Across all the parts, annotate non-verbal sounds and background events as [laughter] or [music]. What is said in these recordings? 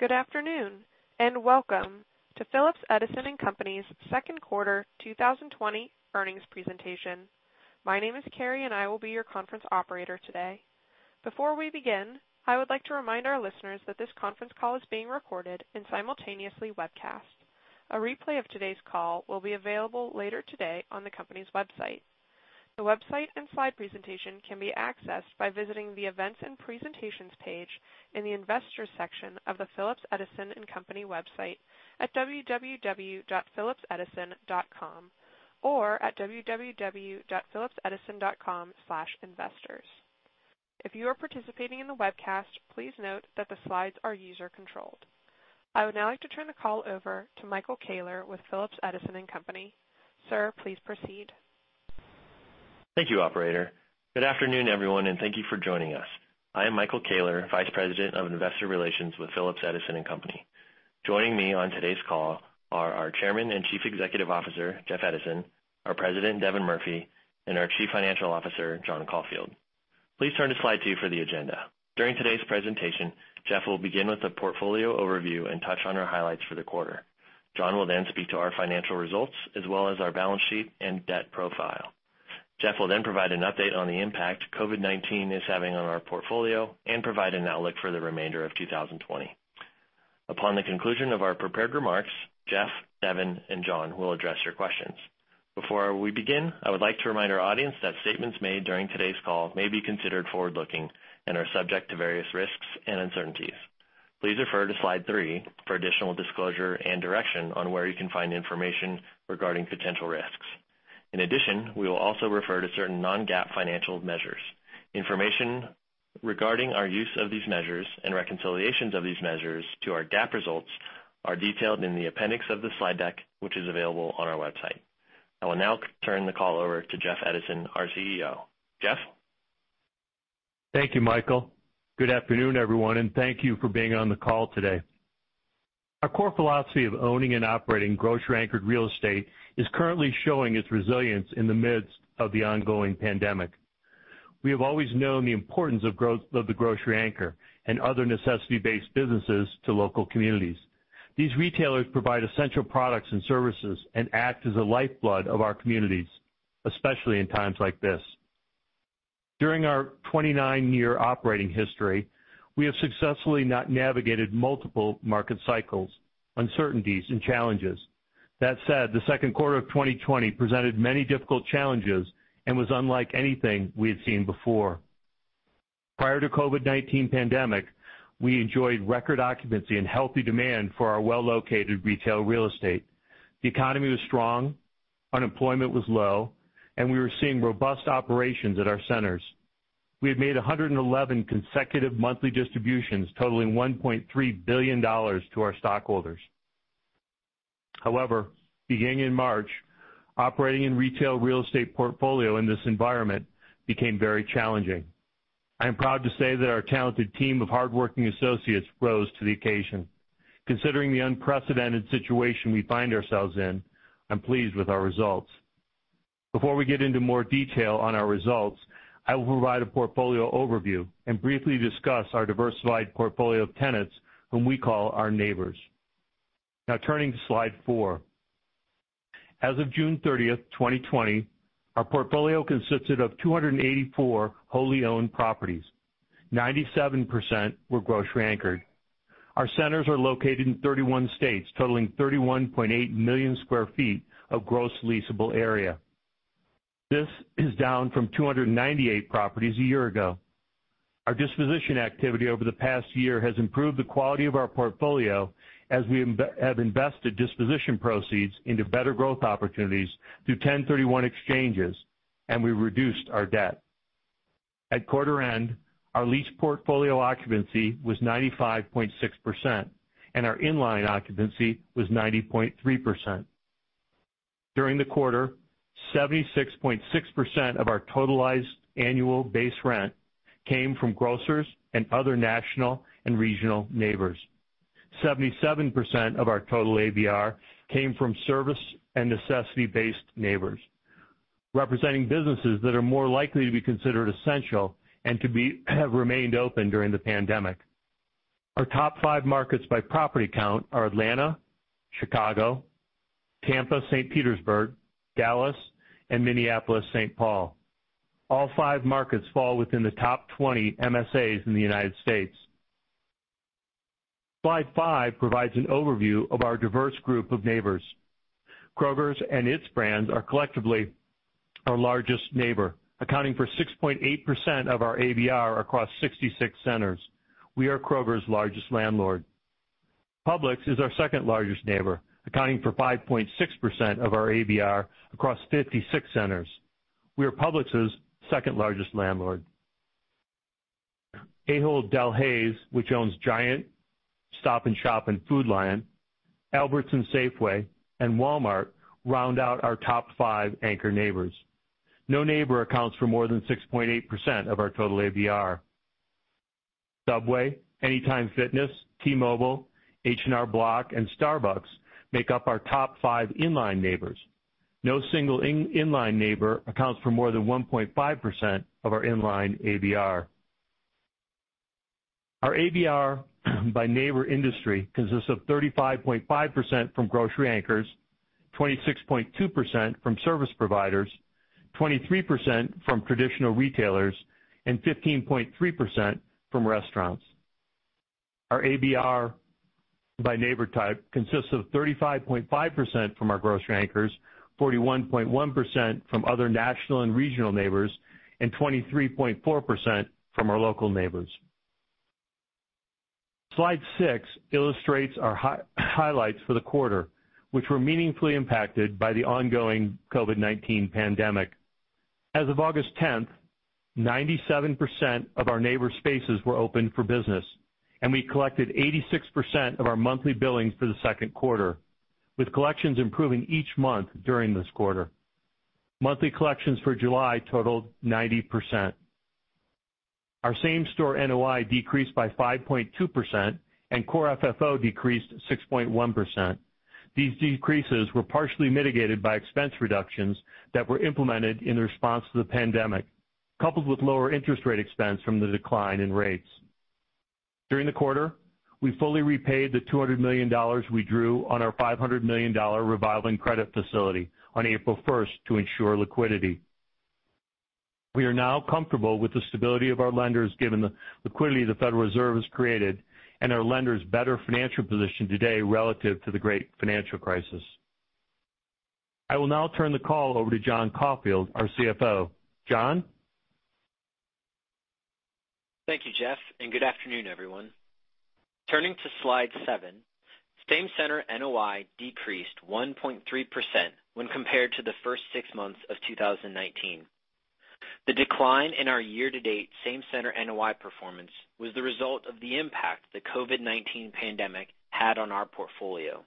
Good afternoon, and welcome to Phillips Edison & Company's second quarter 2020 earnings presentation. My name is Carrie, and I will be your conference operator today. Before we begin, I would like to remind our listeners that this conference call is being recorded and simultaneously webcast. A replay of today's call will be available later today on the company's website. The website and slide presentation can be accessed by visiting the Events and Presentations page in the Investors section of the Phillips Edison & Company website at www.phillipsedison.com or at www.phillipsedison.com/investors. If you are participating in the webcast, please note that the slides are user-controlled. I would now like to turn the call over to Michael Koehler with Phillips Edison & Company. Sir, please proceed. Thank you, operator. Good afternoon, everyone, and thank you for joining us. I am Michael Koehler, Vice President of Investor Relations with Phillips Edison & Company. Joining me on today's call are our Chairman and Chief Executive Officer, Jeff Edison, our President, Devin Murphy, and our Chief Financial Officer, John Caulfield. Please turn to slide 2 for the agenda. During today's presentation, Jeff will begin with a portfolio overview and touch on our highlights for the quarter. John will speak to our financial results as well as our balance sheet and debt profile. Jeff will provide an update on the impact COVID-19 is having on our portfolio and provide an outlook for the remainder of 2020. Upon the conclusion of our prepared remarks, Jeff, Devin, and John will address your questions. Before we begin, I would like to remind our audience that statements made during today's call may be considered forward-looking and are subject to various risks and uncertainties. Please refer to slide 3 for additional disclosure and direction on where you can find information regarding potential risks. In addition, we will also refer to certain non-GAAP financial measures. Information regarding our use of these measures and reconciliations of these measures to our GAAP results are detailed in the appendix of the slide deck, which is available on our website. I will now turn the call over to Jeff Edison, our CEO. Jeff? Thank you, Michael. Good afternoon, everyone, and thank you for being on the call today. Our core philosophy of owning and operating grocery-anchored real estate is currently showing its resilience in the midst of the ongoing pandemic. We have always known the importance of the grocery anchor and other necessity-based businesses to local communities. These retailers provide essential products and services and act as the lifeblood of our communities, especially in times like this. During our 29-year operating history, we have successfully navigated multiple market cycles, uncertainties, and challenges. That said, the second quarter of 2020 presented many difficult challenges and was unlike anything we had seen before. Prior to COVID-19 pandemic, we enjoyed record occupancy and healthy demand for our well-located retail real estate. The economy was strong, unemployment was low, and we were seeing robust operations at our centers. We had made 111 consecutive monthly distributions totaling $1.3 billion to our stockholders. Beginning in March, operating in retail real estate portfolio in this environment became very challenging. I am proud to say that our talented team of hardworking associates rose to the occasion. Considering the unprecedented situation we find ourselves in, I'm pleased with our results. Before we get into more detail on our results, I will provide a portfolio overview and briefly discuss our diversified portfolio of tenants whom we call our neighbors. Turning to slide 4. As of June 30th, 2020, our portfolio consisted of 284 wholly owned properties, 97% were grocery anchored. Our centers are located in 31 states, totaling 31.8 million sq ft of gross leasable area. This is down from 298 properties a year ago. Our disposition activity over the past year has improved the quality of our portfolio as we have invested disposition proceeds into better growth opportunities through 1031 exchanges, and we reduced our debt. At quarter end, our leased portfolio occupancy was 95.6%, and our in-line occupancy was 90.3%. During the quarter, 76.6% of our total annualized base rent came from grocers and other national and regional neighbors. 77% of our total ABR came from service and necessity-based neighbors, representing businesses that are more likely to be considered essential and have remained open during the pandemic. Our top five markets by property count are Atlanta, Chicago, Tampa, St. Petersburg, Dallas, and Minneapolis-St. Paul. All five markets fall within the top 20 MSAs in the United States. Slide 5 provides an overview of our diverse group of neighbors. Kroger and its brands are collectively our largest neighbor, accounting for 6.8% of our ABR across 66 centers. We are Kroger largest landlord. Publix is our second largest neighbor, accounting for 5.6% of our ABR across 56 centers. We are Publix's second largest landlord. Ahold Delhaize, which owns Giant, Stop & Shop, and Food Lion, Albertsons Safeway, and Walmart round out our top five anchor neighbors. No neighbor accounts for more than 6.8% of our total ABR. Subway, Anytime Fitness, T-Mobile, H&R Block, and Starbucks make up our top five in-line neighbors. No single in-line neighbor accounts for more than 1.5% of our in-line ABR. Our ABR by neighbor industry consists of 35.5% from grocery anchors, 26.2% from service providers, 23% from traditional retailers, and 15.3% from restaurants. Our ABR by neighbor type consists of 35.5% from our grocery anchors, 41.1% from other national and regional neighbors, and 23.4% from our local neighbors. Slide 6 illustrates our highlights for the quarter, which were meaningfully impacted by the ongoing COVID-19 pandemic. As of August 10th, 97% of our neighbor spaces were open for business, and we collected 86% of our monthly billings for the second quarter, with collections improving each month during this quarter. Monthly collections for July totaled 90%. Our Same-Center NOI decreased by 5.2% and Core FFO decreased 6.1%. These decreases were partially mitigated by expense reductions that were implemented in response to the pandemic, coupled with lower interest rate expense from the decline in rates. During the quarter, we fully repaid the $200 million we drew on our $500 million revolving credit facility on April 1st to ensure liquidity. We are now comfortable with the stability of our lenders given the liquidity the Federal Reserve has created and our lenders' better financial position today relative to the great financial crisis. I will now turn the call over to John Caulfield, our CFO. John? Thank you, Jeff, and good afternoon, everyone. Turning to slide 7, Same-Center NOI decreased 1.3% when compared to the first six months of 2019. The decline in our year-to-date Same-Center NOI performance was the result of the impact the COVID-19 pandemic had on our portfolio.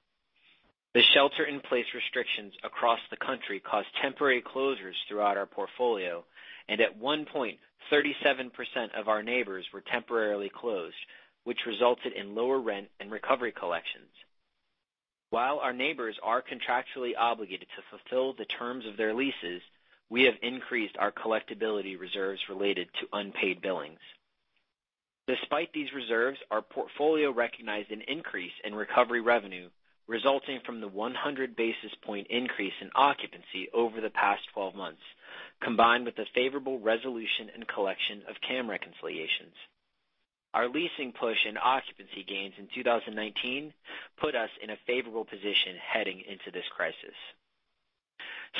The shelter-in-place restrictions across the country caused temporary closures throughout our portfolio, and at one point, 37% of our neighbors were temporarily closed, which resulted in lower rent and recovery collections. While our neighbors are contractually obligated to fulfill the terms of their leases, we have increased our collectibility reserves related to unpaid billings. Despite these reserves, our portfolio recognized an increase in recovery revenue resulting from the 100 basis points increase in occupancy over the past 12 months, combined with the favorable resolution and collection of CAM reconciliations. Our leasing push and occupancy gains in 2019 put us in a favorable position heading into this crisis.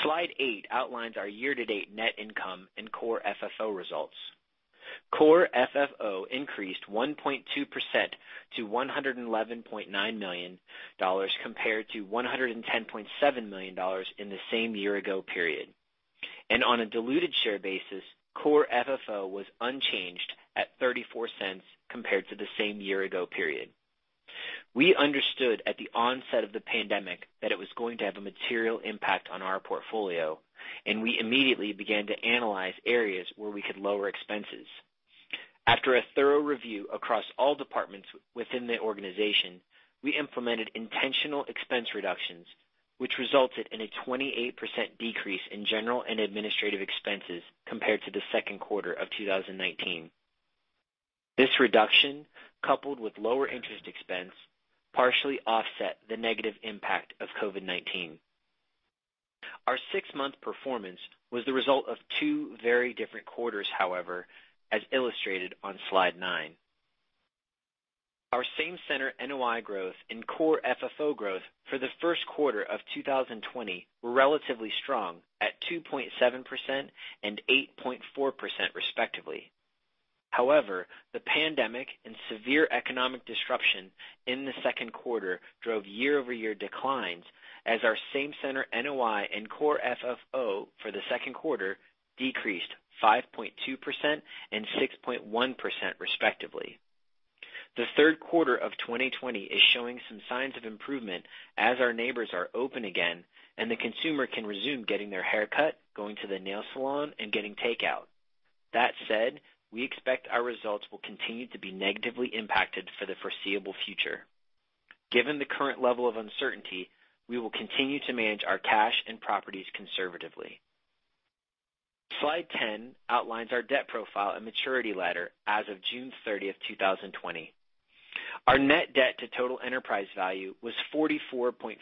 Slide 8 outlines our year-to-date net income and Core FFO results. Core FFO increased 1.2% to $111.9 million, compared to $110.7 million in the same year ago period. On a diluted share basis, Core FFO was unchanged at $0.34 compared to the same year ago period. We understood at the onset of the pandemic that it was going to have a material impact on our portfolio, and we immediately began to analyze areas where we could lower expenses. After a thorough review across all departments within the organization, we implemented intentional expense reductions, which resulted in a 28% decrease in general and administrative expenses compared to the second quarter of 2019. This reduction, coupled with lower interest expense, partially offset the negative impact of COVID-19. Our six-month performance was the result of two very different quarters, however, as illustrated on slide 9. Our Same-Center NOI growth and Core FFO growth for the first quarter of 2020 were relatively strong at 2.7% and 8.4% respectively. The pandemic and severe economic disruption in the second quarter drove year-over-year declines as our Same-Center NOI and Core FFO for the second quarter decreased 5.2% and 6.1% respectively. The third quarter of 2020 is showing some signs of improvement as our neighbors are open again and the consumer can resume getting their hair cut, going to the nail salon, and getting takeout. That said, we expect our results will continue to be negatively impacted for the foreseeable future. Given the current level of uncertainty, we will continue to manage our cash and properties conservatively. Slide 10 outlines our debt profile and maturity ladder as of June 30th, 2020. Our net debt to total enterprise value was 44.4%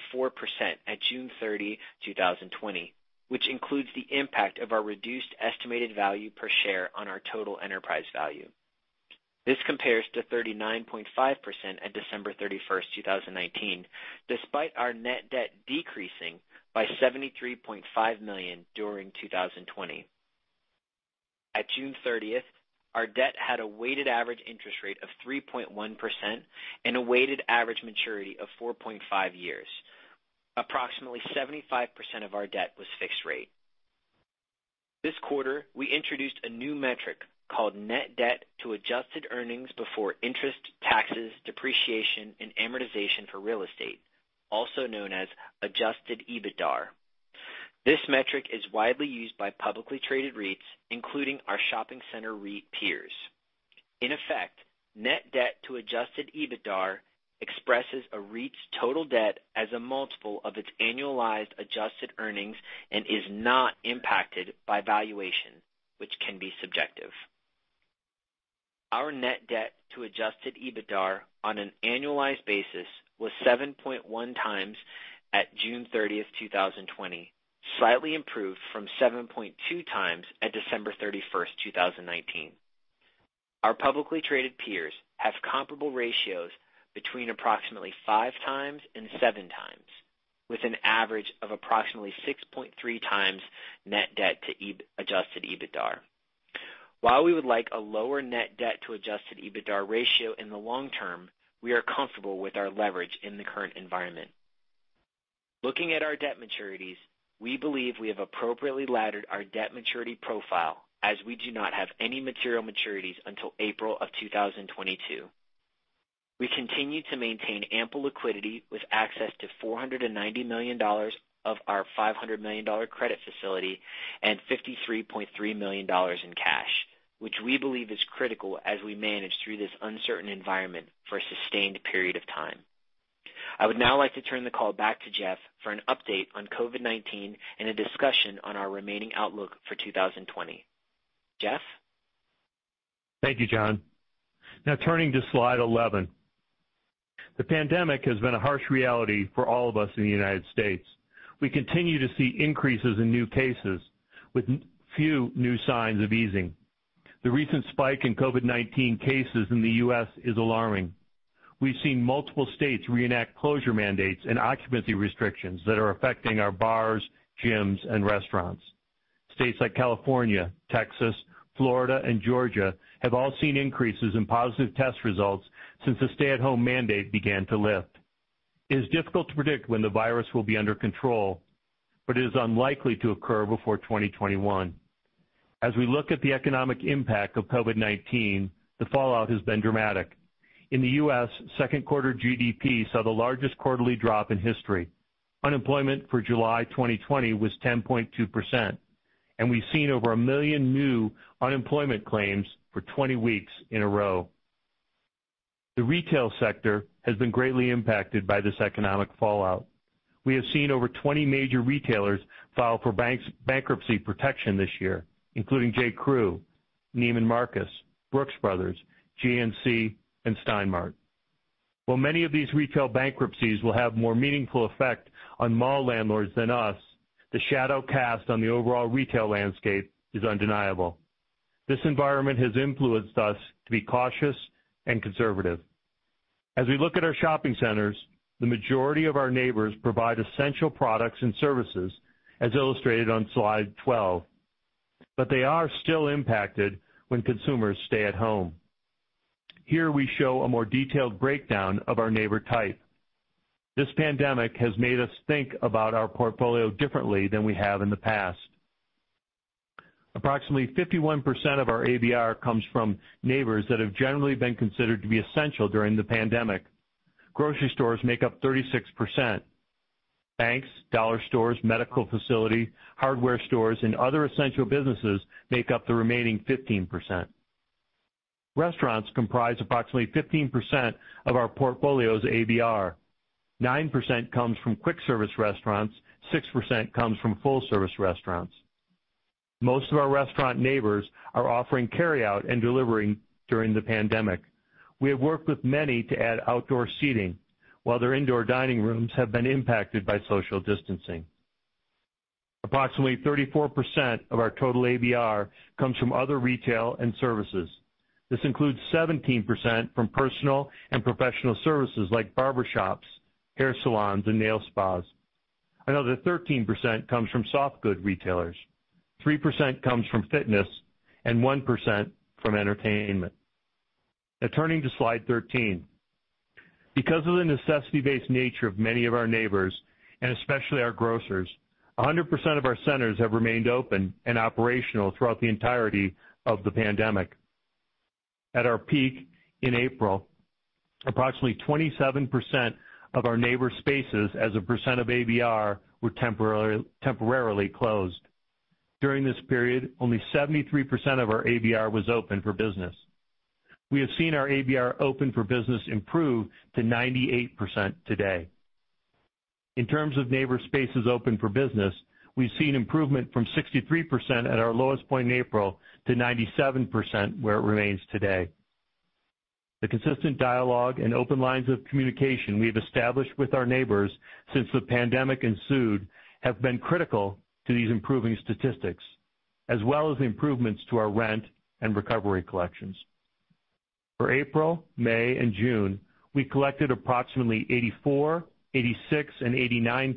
at June 30, 2020, which includes the impact of our reduced estimated value per share on our total enterprise value. This compares to 39.5% at December 31st, 2019, despite our net debt decreasing by $73.5 million during 2020. At June 30th, our debt had a weighted average interest rate of 3.1% and a weighted average maturity of 4.5 years. Approximately 75% of our debt was fixed rate. This quarter, we introduced a new metric called net debt to adjusted earnings before interest, taxes, depreciation, and amortization for real estate, also known as adjusted EBITDAre. This metric is widely used by publicly traded REITs, including our shopping center REIT peers. In effect, net debt to adjusted EBITDAre expresses a REIT's total debt as a multiple of its annualized adjusted earnings and is not impacted by valuation, which can be subjective. Our net debt to adjusted EBITDAre on an annualized basis was 7.1x at June 30th, 2020, slightly improved from 7.2x at December 31st, 2019. Our publicly traded peers have comparable ratios between approximately 5x and 7x, with an average of approximately 6.3x net debt to adjusted EBITDAre. While we would like a lower net debt to adjusted EBITDAre ratio in the long term, we are comfortable with our leverage in the current environment. Looking at our debt maturities, we believe we have appropriately laddered our debt maturity profile, as we do not have any material maturities until April of 2022. We continue to maintain ample liquidity with access to $490 million of our $500 million credit facility and $53.3 million in cash, which we believe is critical as we manage through this uncertain environment for a sustained period of time. I would now like to turn the call back to Jeff for an update on COVID-19 and a discussion on our remaining outlook for 2020. Jeff? Thank you, John. Now turning to slide 11. The pandemic has been a harsh reality for all of us in the United States. We continue to see increases in new cases with few new signs of easing. The recent spike in COVID-19 cases in the U.S. is alarming. We've seen multiple states reenact closure mandates and occupancy restrictions that are affecting our bars, gyms, and restaurants. States like California, Texas, Florida, and Georgia have all seen increases in positive test results since the stay-at-home mandate began to lift. It is difficult to predict when the virus will be under control, but it is unlikely to occur before 2021. As we look at the economic impact of COVID-19, the fallout has been dramatic. In the U.S., second quarter GDP saw the largest quarterly drop in history. Unemployment for July 2020 was 10.2%, and we've seen over 1 million new unemployment claims for 20 weeks in a row. The retail sector has been greatly impacted by this economic fallout. We have seen over 20 major retailers file for bankruptcy protection this year, including J.Crew, Neiman Marcus, Brooks Brothers, GNC, and Stein Mart. While many of these retail bankruptcies will have more meaningful effect on mall landlords than us, the shadow cast on the overall retail landscape is undeniable. This environment has influenced us to be cautious and conservative. As we look at our shopping centers, the majority of our neighbors provide essential products and services, as illustrated on slide 12, but they are still impacted when consumers stay at home. Here we show a more detailed breakdown of our neighbor type. This pandemic has made us think about our portfolio differently than we have in the past. Approximately 51% of our ABR comes from neighbors that have generally been considered to be essential during the pandemic. Grocery stores make up 36%. Banks, dollar stores, medical facility, hardware stores, and other essential businesses make up the remaining 15%. Restaurants comprise approximately 15% of our portfolio's ABR. 9% comes from quick service restaurants, 6% comes from full service restaurants. Most of our restaurant neighbors are offering carryout and delivery during the pandemic. We have worked with many to add outdoor seating, while their indoor dining rooms have been impacted by social distancing. Approximately 34% of our total ABR comes from other retail and services. This includes 17% from personal and professional services like barbershops, hair salons, and nail spas. Another 13% comes from soft good retailers, 3% comes from fitness, and 1% from entertainment. Turning to slide 13. Because of the necessity-based nature of many of our neighbors, and especially our grocers, 100% of our centers have remained open and operational throughout the entirety of the pandemic. At our peak in April, approximately 27% of our neighbor spaces as a percent of ABR were temporarily closed. During this period, only 73% of our ABR was open for business. We have seen our ABR open for business improve to 98% today. In terms of neighbor spaces open for business, we've seen improvement from 63% at our lowest point in April to 97%, where it remains today. The consistent dialogue and open lines of communication we've established with our neighbors since the pandemic ensued have been critical to these improving statistics, as well as improvements to our rent and recovery collections. For April, May, and June, we collected approximately 84%, 86%, and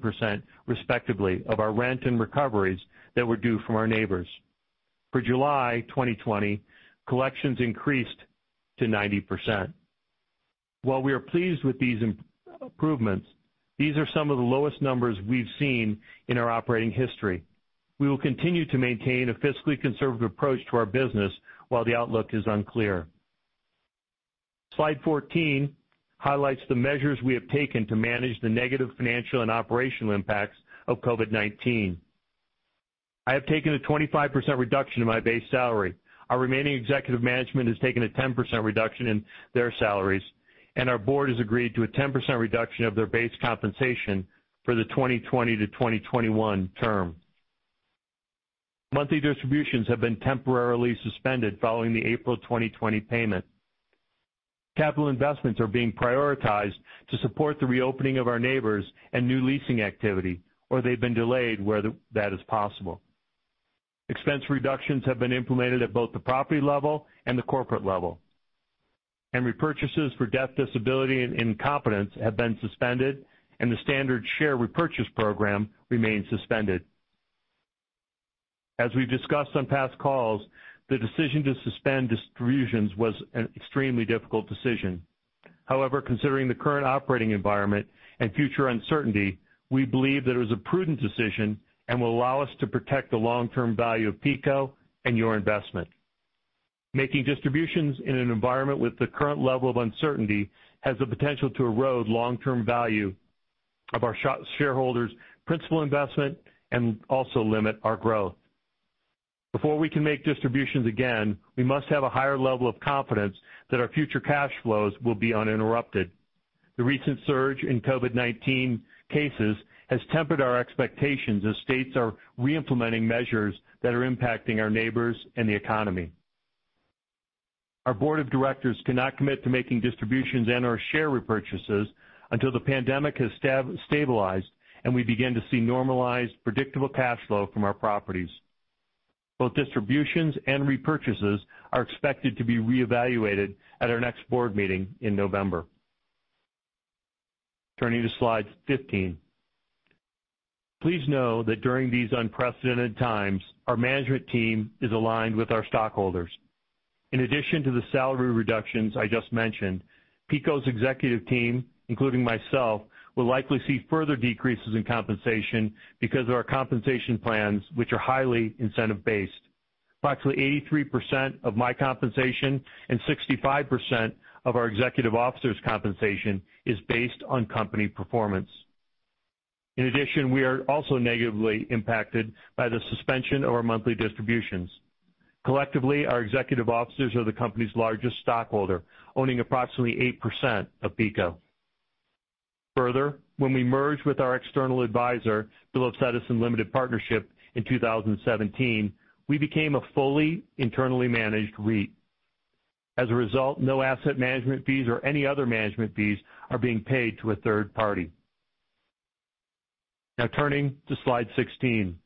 89% respectively of our rent and recoveries that were due from our neighbors. For July 2020, collections increased to 90%. While we are pleased with these improvements, these are some of the lowest numbers we've seen in our operating history. We will continue to maintain a fiscally conservative approach to our business while the outlook is unclear. Slide 14 highlights the measures we have taken to manage the negative financial and operational impacts of COVID-19. I have taken a 25% reduction in my base salary. Our remaining executive management has taken a 10% reduction in their salaries, and our board has agreed to a 10% reduction of their base compensation for the 2020-2021 term. Monthly distributions have been temporarily suspended following the April 2020 payment. Capital investments are being prioritized to support the reopening of our neighbors and new leasing activity, or they've been delayed where that is possible. Expense reductions have been implemented at both the property level and the corporate level. Repurchases for death, disability, and incapacity have been suspended, and the standard share repurchase program remains suspended. As we've discussed on past calls, the decision to suspend distributions was an extremely difficult decision. However, considering the current operating environment and future uncertainty, we believe that it was a prudent decision and will allow us to protect the long-term value of PECO and your investment. Making distributions in an environment with the current level of uncertainty has the potential to erode long-term value of our shareholders' principal investment and also limit our growth. Before we can make distributions again, we must have a higher level of confidence that our future cash flows will be uninterrupted. The recent surge in COVID-19 cases has tempered our expectations as states are re-implementing measures that are impacting our neighbors and the economy. Our board of directors cannot commit to making distributions and our share repurchases until the pandemic has stabilized, and we begin to see normalized, predictable cash flow from our properties. Both distributions and repurchases are expected to be reevaluated at our next board meeting in November. Turning to slide 15. Please know that during these unprecedented times, our management team is aligned with our stockholders. In addition to the salary reductions I just mentioned, PECO's executive team, including myself, will likely see further decreases in compensation because of our compensation plans, which are highly incentive-based. Approximately 83% of my compensation and 65% of our executive officers' compensation is based on company performance. In addition, we are also negatively impacted by the suspension of our monthly distributions. Collectively, our executive officers are the company's largest stockholder, owning approximately 8% of PECO. Further, when we merged with our external advisor, Phillips Edison Limited Partnership, in 2017, we became a fully internally managed REIT. As a result, no asset management fees or any other management fees are being paid to a third party. Now turning to slide 16.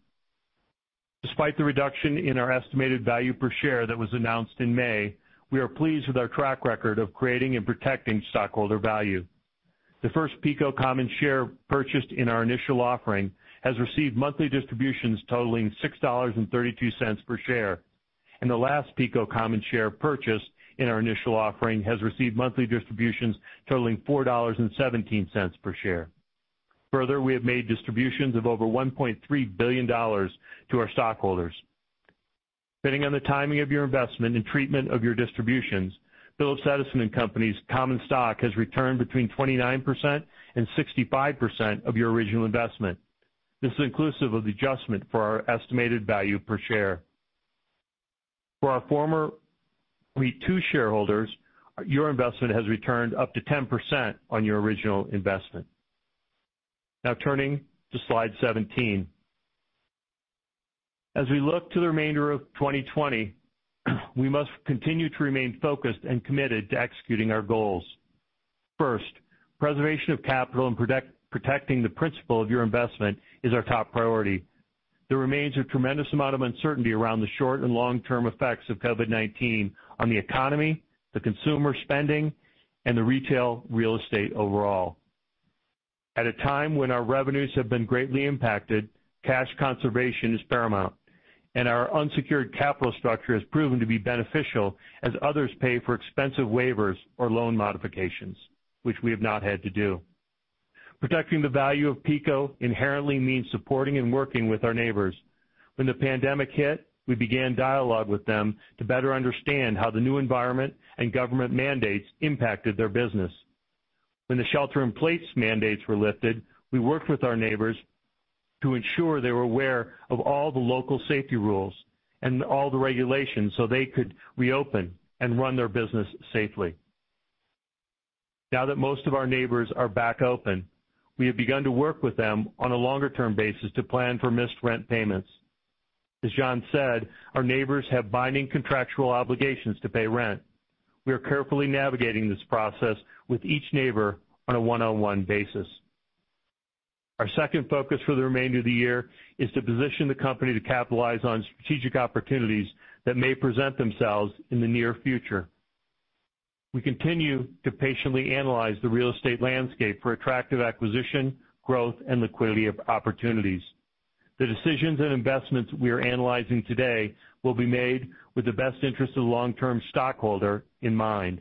Despite the reduction in our estimated value per share that was announced in May, we are pleased with our track record of creating and protecting stockholder value. The first PECO common share purchased in our initial offering has received monthly distributions totaling $6.32 per share. The last PECO common share purchase in our initial offering has received monthly distributions totaling $4.17 per share. Further, we have made distributions of over $1.3 billion to our stockholders. Depending on the timing of your investment and treatment of your distributions, Phillips Edison & Company's common stock has returned between 29% and 65% of your original investment. This is inclusive of the adjustment for our estimated value per share. For our former REIT II shareholders, your investment has returned up to 10% on your original investment. Turning to slide 17. As we look to the remainder of 2020, we must continue to remain focused and committed to executing our goals. First, preservation of capital and protecting the principal of your investment is our top priority. There remains a tremendous amount of uncertainty around the short and long-term effects of COVID-19 on the economy, the consumer spending, and the retail real estate overall. At a time when our revenues have been greatly impacted, cash conservation is paramount, and our unsecured capital structure has proven to be beneficial as others pay for expensive waivers or loan modifications, which we have not had to do. Protecting the value of PECO inherently means supporting and working with our neighbors. When the pandemic hit, we began dialogue with them to better understand how the new environment and government mandates impacted their business. When the shelter-in-place mandates were lifted, we worked with our neighbors to ensure they were aware of all the local safety rules and all the regulations so they could reopen and run their business safely. Now that most of our neighbors are back open, we have begun to work with them on a longer-term basis to plan for missed rent payments. As John said, our neighbors have binding contractual obligations to pay rent. We are carefully navigating this process with each neighbor on a one-on-one basis. Our second focus for the remainder of the year is to position the company to capitalize on strategic opportunities that may present themselves in the near future. We continue to patiently analyze the real estate landscape for attractive acquisition, growth, and liquidity of opportunities. The decisions and investments we are analyzing today will be made with the best interest of the long-term stockholder in mind.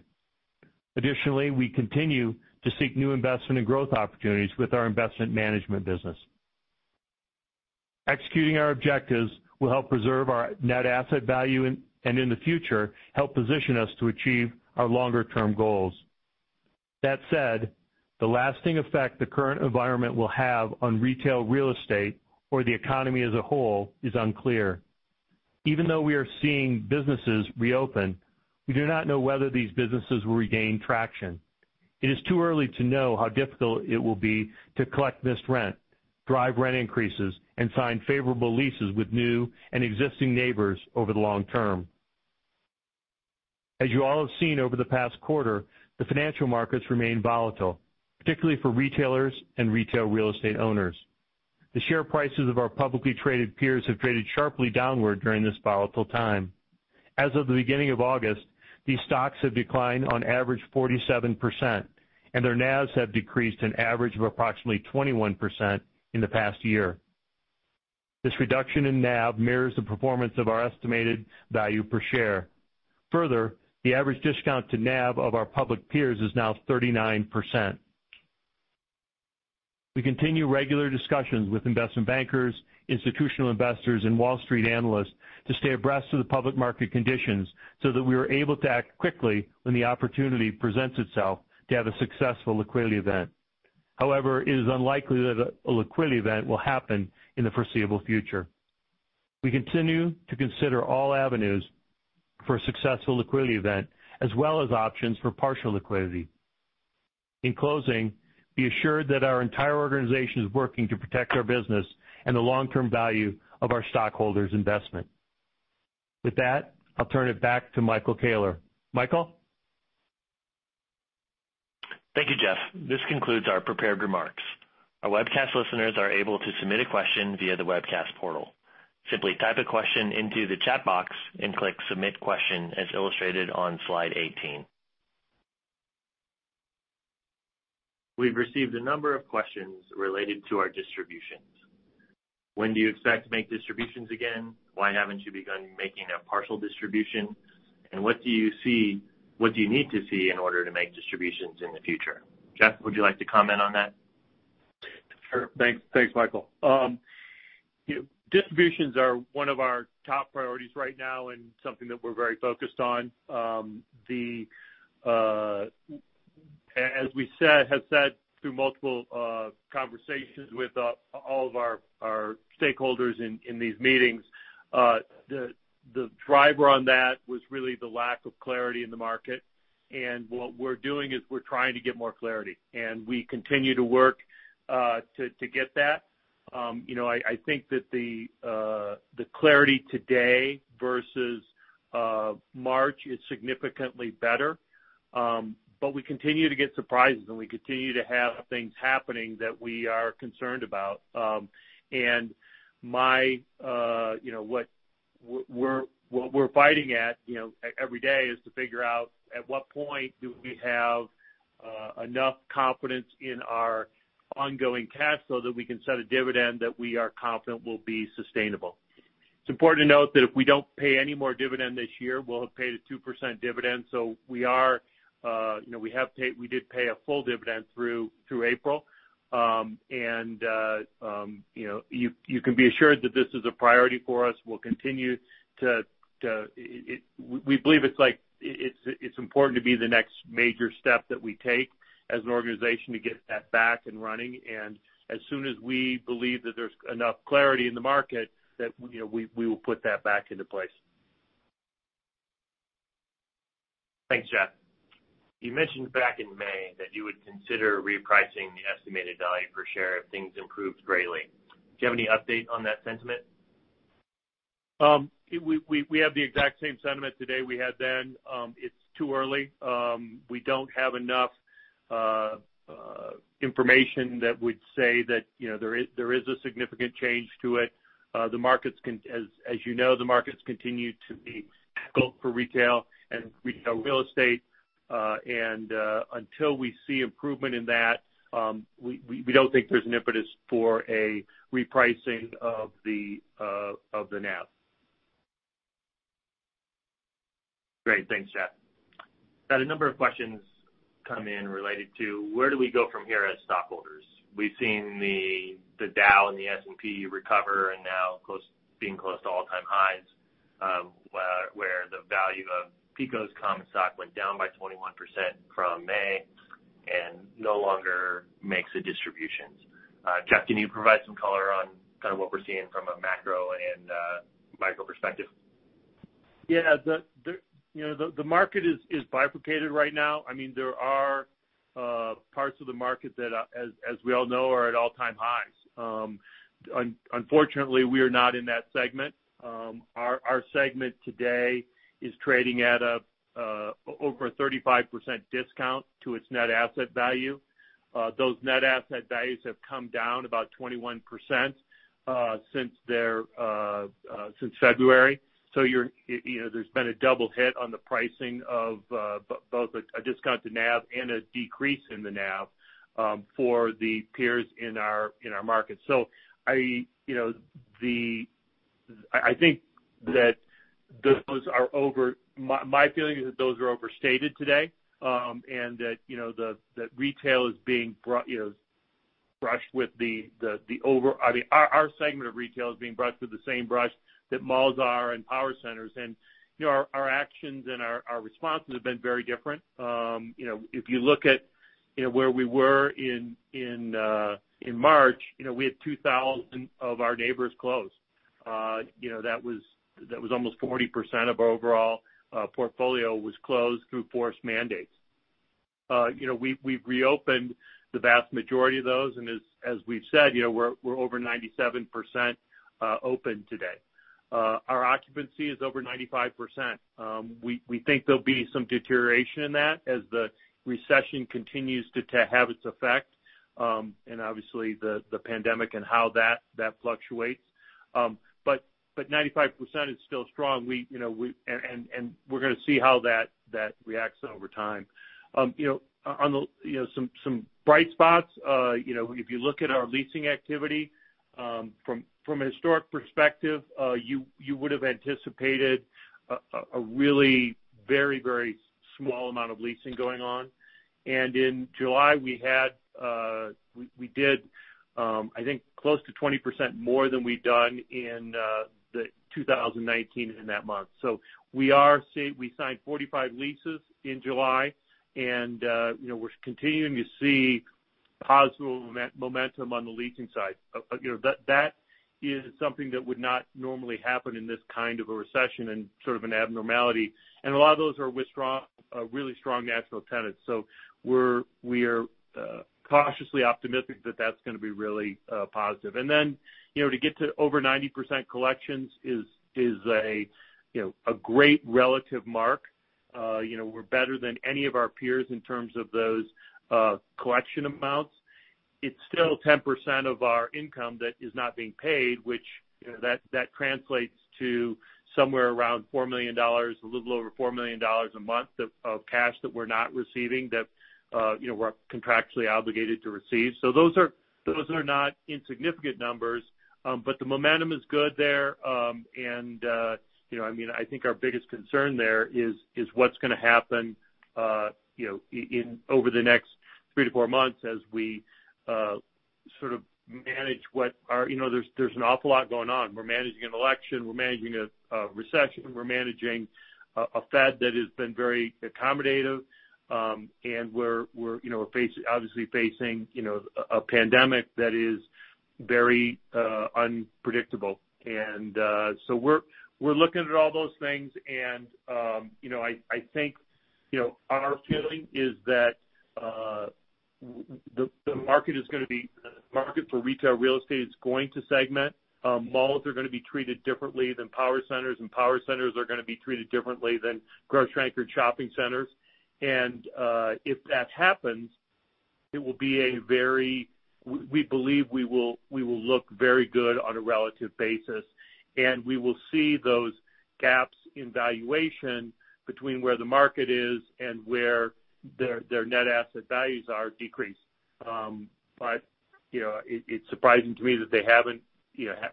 Additionally, we continue to seek new investment and growth opportunities with our investment management business. Executing our objectives will help preserve our net asset value and, in the future, help position us to achieve our longer-term goals. That said, the lasting effect the current environment will have on retail real estate or the economy as a whole is unclear. Even though we are seeing businesses reopen, we do not know whether these businesses will regain traction. It is too early to know how difficult it will be to collect missed rent, drive rent increases, and sign favorable leases with new and existing neighbors over the long term. As you all have seen over the past quarter, the financial markets remain volatile, particularly for retailers and retail real estate owners. The share prices of our publicly traded peers have traded sharply downward during this volatile time. As of the beginning of August, these stocks have declined on average 47%, and their NAVs have decreased an average of approximately 21% in the past year. This reduction in NAV mirrors the performance of our estimated value per share. Further, the average discount to NAV of our public peers is now 39%. We continue regular discussions with investment bankers, institutional investors, and Wall Street analysts to stay abreast of the public market conditions so that we are able to act quickly when the opportunity presents itself to have a successful liquidity event. However, it is unlikely that a liquidity event will happen in the foreseeable future. We continue to consider all avenues for a successful liquidity event, as well as options for partial liquidity. In closing, be assured that our entire organization is working to protect our business and the long-term value of our stockholders' investment. With that, I'll turn it back to Michael Koehler. Michael? Thank you, Jeff. This concludes our prepared remarks. Our webcast listeners are able to submit a question via the webcast portal. Simply type a question into the chat box and click Submit Question as illustrated on slide 18. We've received a number of questions related to our distributions. When do you expect to make distributions again? Why haven't you begun making a partial distribution? What do you need to see in order to make distributions in the future? Jeff, would you like to comment on that? Sure. Thanks, Michael. Distributions are one of our top priorities right now and something that we're very focused on. As we have said through multiple conversations with all of our stakeholders in these meetings, the driver on that was really the lack of clarity in the market. What we're doing is we're trying to get more clarity, and we continue to work to get that. I think that the clarity today versus March is significantly better. We continue to get surprises, and we continue to have things happening that we are concerned about. What we're fighting at every day is to figure out at what point do we have enough confidence in our ongoing cash so that we can set a dividend that we are confident will be sustainable. It's important to note that if we don't pay any more dividend this year, we'll have paid a 2% dividend. We did pay a full dividend through April. You can be assured that this is a priority for us. We believe it's important to be the next major step that we take as an organization to get that back and running. As soon as we believe that there's enough clarity in the market, we will put that back into place. Thanks, Jeff. You mentioned back in May that you would consider repricing the estimated value per share if things improved greatly. Do you have any update on that sentiment? We have the exact same sentiment today we had then. It's too early, we don't have enough information that would say that there is a significant change to it. As you know, the market's continued to be for retail and retail real estate. Until we see improvement in that, we don't think there's an impetus for a repricing of the NAV. Great, thanks, Jeff. Had a number of questions come in related to where do we go from here as stockholders. We've seen the Dow and the S&P recover and now being close to all-time highs, where the value of PECO's common stock went down by 21% from May and no longer makes the distributions. Jeff, can you provide some color on kind of what we're seeing from a macro and micro perspective? Yeah. The market is bifurcated right now. There are parts of the market that, as we all know, are at all-time highs. Unfortunately, we are not in that segment. Our segment today is trading at over a 35% discount to its net asset value. Those net asset values have come down about 21% since February. There's been a double hit on the pricing of both a discount to NAV and a decrease in the NAV for the peers in our market. My feeling is that those are overstated today, and that our segment of retail is being brushed with the same brush that malls are and power centers. Our actions and our responses have been very different. If you look at where we were in March, we had 2,000 of our neighbors closed. That was almost 40% of our overall portfolio was closed through forced mandates. We've reopened the vast majority of those. As we've said, we're over 97% open today. Our occupancy is over 95%. We think there'll be some deterioration in that as the recession continues to have its effect. Obviously, the pandemic and how that fluctuates. 95% is still strong, we're going to see how that reacts over time. Some bright spots, if you look at our leasing activity from a historic perspective, you would've anticipated a really very, very small amount of leasing going on. In July, we did, I think, close to 20% more than we'd done in 2019 in that month. We signed 45 leases in July, and we're continuing to see positive momentum on the leasing side. That is something that would not normally happen in this kind of a recession and sort of an abnormality. A lot of those are with really strong national tenants. We're cautiously optimistic that that's going to be really positive. To get to over 90% collections is a great relative mark. We're better than any of our peers in terms of those collection amounts. It's still 10% of our income that is not being paid, which that translates to somewhere around a little over $4 million a month of cash that we're not receiving, that we're contractually obligated to receive. Those are not insignificant numbers, but the momentum is good there. I think our biggest concern there is what's going to happen over the next three to four months as we sort of manage. There's an awful lot going on. We're managing an election, we're managing a recession, we're managing a Fed that has been very accommodative, and we're obviously facing a pandemic that is very unpredictable. We're looking at all those things, and I think our feeling is that the market for retail real estate is going to segment. Malls are going to be treated differently than power centers, and power centers are going to be treated differently than grocery-anchored shopping centers. If that happens, we believe we will look very good on a relative basis, and we will see those gaps in valuation between where the market is and where their net asset values are decrease. It's surprising to me that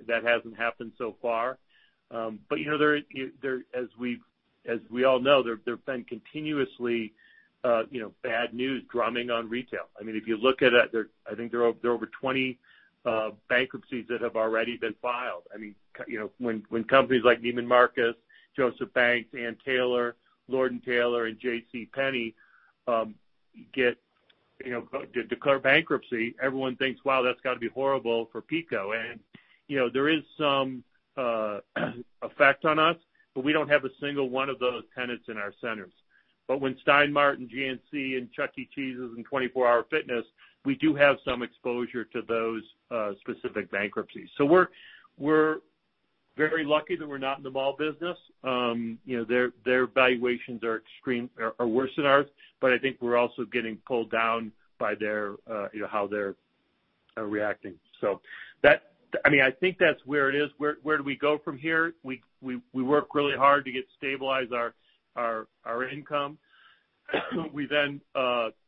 that hasn't happened so far. As we all know, there have been continuously bad news drumming on retail. If you look at it, I think there are over 20 bankruptcies that have already been filed. When companies like Neiman Marcus, Jos. A. Bank, Ann Taylor, Lord & Taylor, and JCPenney declare bankruptcy, everyone thinks, wow, that's got to be horrible for PECO. There is some effect on us, but we don't have a single one of those tenants in our centers. When Stein Mart and GNC and Chuck E. Cheese and 24 Hour Fitness, we do have some exposure to those specific bankruptcies. We're very lucky that we're not in the mall business. Their valuations are worse than ours, but I think we're also getting pulled down by how they're reacting. I think that's where it is. Where do we go from here? We work really hard to stabilize our income. We then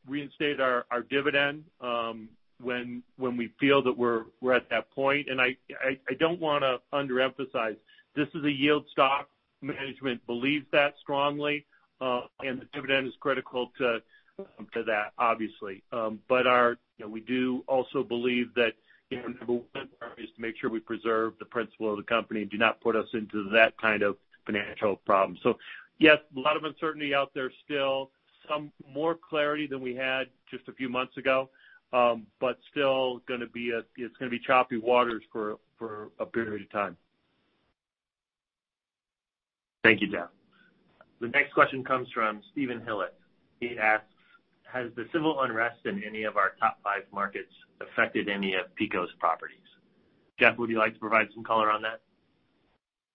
reinstate our dividend when we feel that we're at that point. I don't want to underemphasize, this is a yield stock. Management believes that strongly. The dividend is critical to that, obviously. We do also believe that [audio distortion] is to make sure we preserve the principal of the company and do not put us into that kind of financial problem. Yes, a lot of uncertainty out there still. Some more clarity than we had just a few months ago, but still it's going to be choppy waters for a period of time. Thank you, Jeff. The next question comes from Steven Hillit. He asks, "Has the civil unrest in any of our top five markets affected any of PECO's properties?" Jeff, would you like to provide some color on that?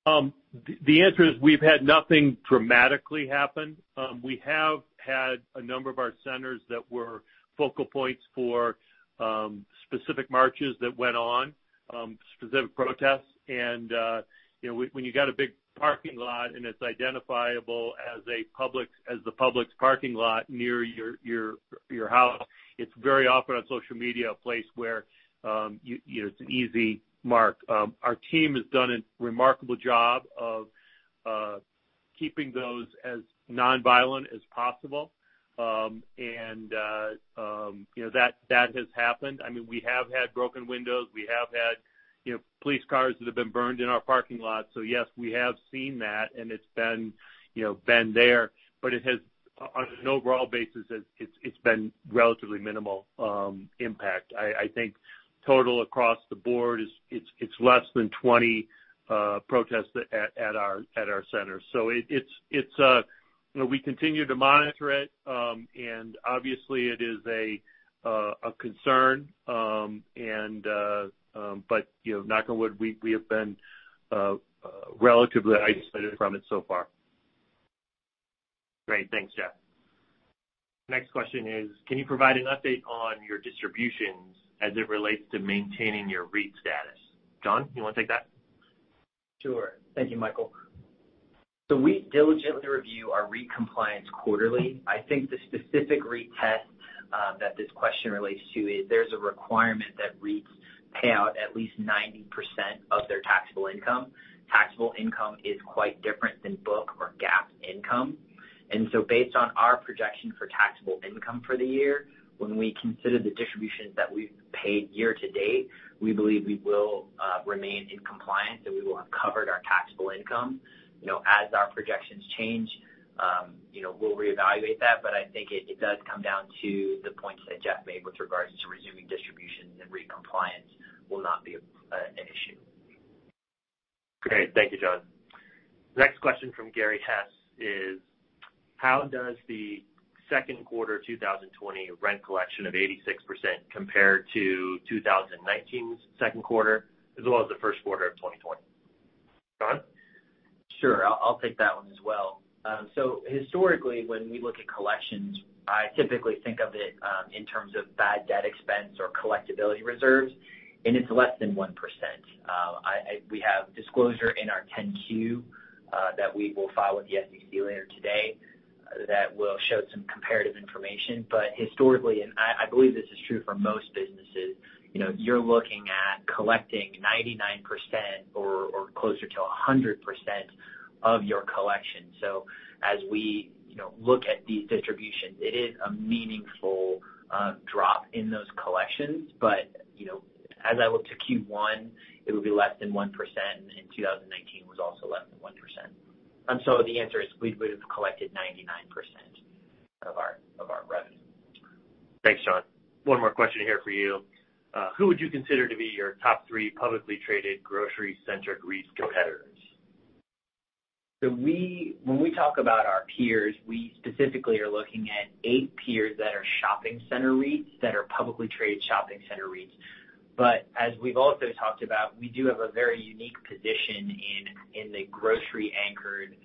The answer is we've had nothing dramatically happen. We have had a number of our centers that were focal points for specific marches that went on, specific protests. When you got a big parking lot, and it's identifiable as the Publix parking lot near your house, it's very often on social media, a place where it's an easy mark. Our team has done a remarkable job of keeping those as nonviolent as possible. That has happened. I mean, we have had broken windows, we have had police cars that have been burned in our parking lot. Yes, we have seen that, and it's been there, but it has, on an overall basis, it's been relatively minimal impact. I think total across the board, it's less than 20 protests at our centers. We continue to monitor it, and obviously it is a concern, but knock on wood, we have been relatively isolated from it so far. Great, thanks, Jeff. Next question is, can you provide an update on your distributions as it relates to maintaining your REIT status? John, you want to take that? Sure. Thank you, Michael. We diligently review our REIT compliance quarterly. I think the specific REIT test that this question relates to is there's a requirement that REITs pay out at least 90% of their taxable income. Taxable income is quite different than book or GAAP income. Based on our projection for taxable income for the year, when we consider the distributions that we've paid year to date, we believe we will remain in compliance, that we will have covered our taxable income. As our projections change, we'll reevaluate that. I think it does come down to the points that Jeff made with regards to resuming distributions, and REIT compliance will not be an issue. Great, thank you, John. Next question from Gary Hess is, how does the second quarter 2020 rent collection of 86% compare to 2019's second quarter, as well as the first quarter of 2020? John? Sure, I'll take that one as well. Historically, when we look at collections, I typically think of it in terms of bad debt expense or collectibility reserves, and it's less than 1%. We have disclosure in our 10-Q that we will file with the SEC later today that will show some comparative information. Historically, and I believe this is true for most businesses, you're looking at collecting 99% or closer to 100% of your collection. As we look at these distributions, it is a meaningful drop in those collections. As I look to Q1, it will be less than 1%, and in 2019 was also less than 1%. The answer is we would've collected 99% of our revenue. Thanks, John. One more question here for you. Who would you consider to be your top three publicly traded grocery-centric REIT competitors? When we talk about our peers, we specifically are looking at eight peers that are shopping center REITs, that are publicly traded shopping center REITs. As we've also talked about, we do have a very unique position in the grocery-anchored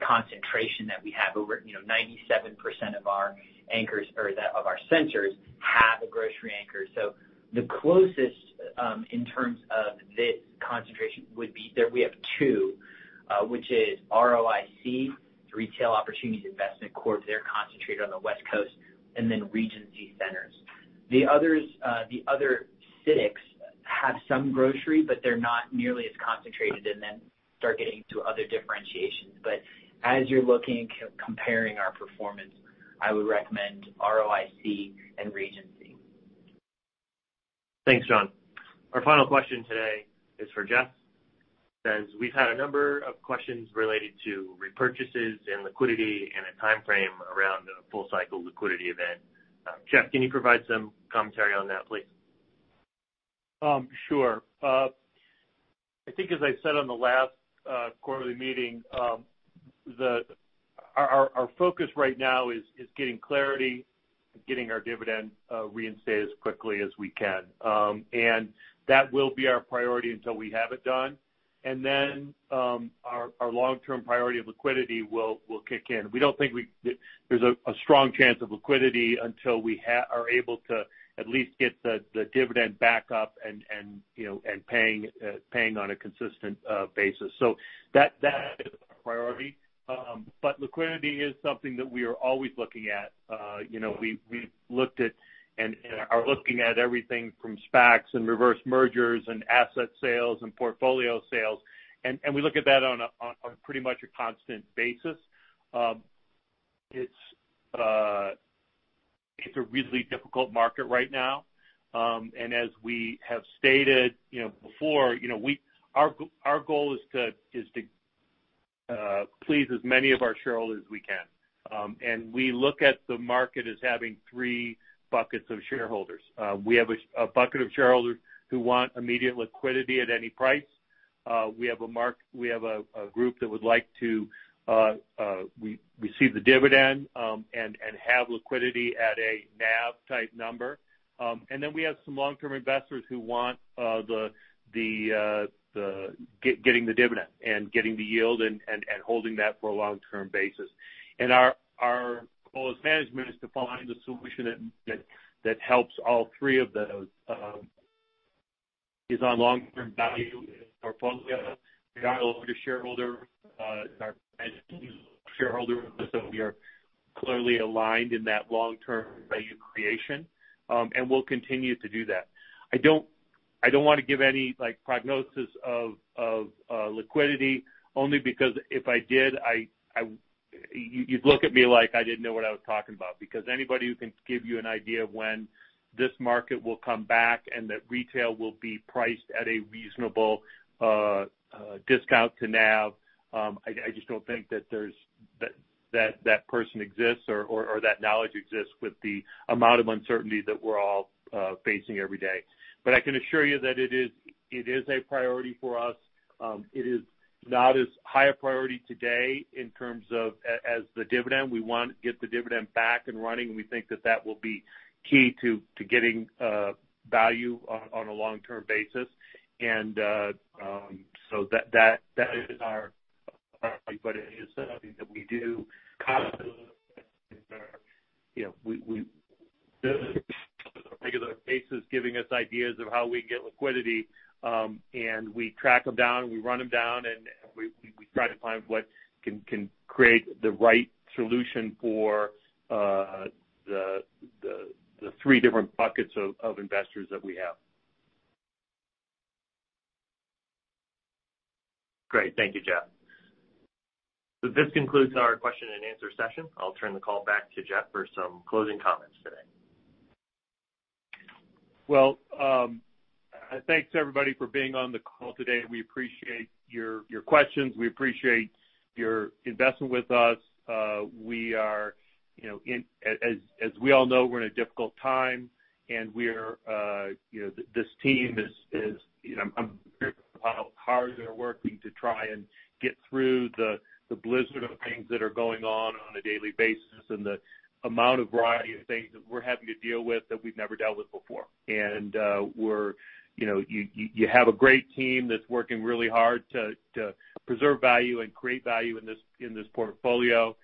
concentration that we have. Over 97% of our centers have a grocery anchor. The closest in terms of this concentration would be that we have two, which is ROIC, Retail Opportunity Investments Corp. They're concentrated on the West Coast, and then Regency Centers. The other six have some grocery, but they're not nearly as concentrated, and then start getting to other differentiations. As you're looking, comparing our performance, I would recommend ROIC and Regency. Thanks, John. Our final question today is for Jeff. Says, we've had a number of questions related to repurchases and liquidity and a timeframe around a full-cycle liquidity event. Jeff, can you provide some commentary on that, please? Sure. I think as I said on the last quarterly meeting, our focus right now is getting clarity and getting our dividend reinstated as quickly as we can. That will be our priority until we have it done, and then our long-term priority of liquidity will kick in. We don't think there's a strong chance of liquidity until we are able to at least get the dividend back up and paying on a consistent basis. That is our priority. Liquidity is something that we are always looking at. We've looked at and are looking at everything from SPACs and reverse mergers and asset sales and portfolio sales, and we look at that on pretty much a constant basis. It's a really difficult market right now. As we have stated before, our goal is to please as many of our shareholders as we can. We look at the market as having three buckets of shareholders. We have a bucket of shareholders who want immediate liquidity at any price. We have a group that would like to receive the dividend and have liquidity at a NAV type number. Then we have some long-term investors who want getting the dividend and getting the yield and holding that for a long-term basis. Our goal as management is to find a solution that helps all three of those is on long-term value in our portfolio to shareholder of [Edison]. We are clearly aligned in that long-term value creation, and we'll continue to do that. I don't want to give any prognosis of liquidity, only because if I did, you'd look at me like I didn't know what I was talking about. Anybody who can give you an idea of when this market will come back and that retail will be priced at a reasonable discount to NAV, I just don't think that person exists or that knowledge exists with the amount of uncertainty that we're all facing every day. I can assure you that it is a priority for us. It is not as high a priority today in terms of as the dividend. We want to get the dividend back and running, and we think that that will be key to getting value on a long-term basis. That is our. [audio distortion] It is something that we do [constantly] where we, on a regular basis, giving us ideas of how we get liquidity, and we track them down, we run them down, and we try to find what can create the right solution for the three different buckets of investors that we have. Great, thank you, Jeff. This concludes our question and answer session. I'll turn the call back to Jeff for some closing comments today. Well, thanks everybody for being on the call today. We appreciate your questions, we appreciate your investment with us. As we all know, we're in a difficult time. I'm very proud of how hard they're working to try and get through the blizzard of things that are going on on a daily basis and the amount of variety of things that we're having to deal with that we've never dealt with before. You have a great team that's working really hard to preserve value and create value in this portfolio.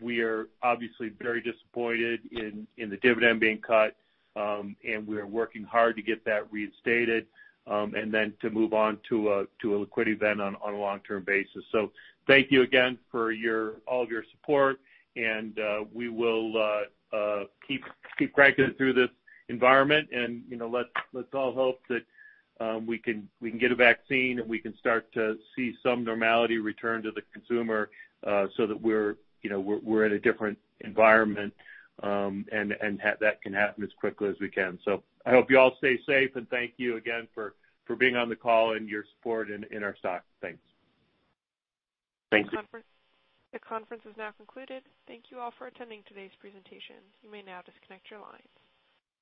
We are obviously very disappointed in the dividend being cut, and we are working hard to get that reinstated. Then to move on to a liquidity event on a long-term basis. Thank you again for all of your support, and we will keep cranking it through this environment and let's all hope that we can get a vaccine, and we can start to see some normality return to the consumer, so that we're in a different environment. That can happen as quickly as we can. I hope you all stay safe, and thank you again for being on the call and your support in our stock. Thanks. Thank you. The conference is now concluded. Thank you all for attending today's presentation. You may now disconnect your lines.